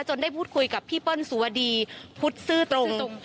ได้พูดคุยกับพี่เปิ้ลสุวดีพุทธซื่อตรง